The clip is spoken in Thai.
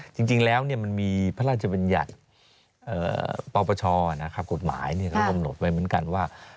จริงแล้วมันมีพระราชบัญญัติปปชกฎหมายก็กำหนดไว้เหมือนกันว่า